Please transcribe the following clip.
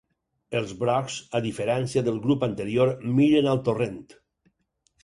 Els brocs, a diferència del grup anterior miren al torrent.